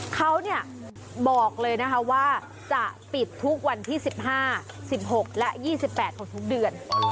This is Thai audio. เขาบอกเลยนะคะว่าจะปิดทุกวันที่๑๕๑๖และ๒๘ของทุกเดือน